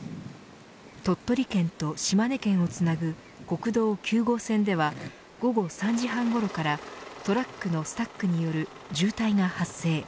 鳥取県と島根県をつなぐ国道９号線では午後３時半ごろからトラックのスタックによる渋滞が発生。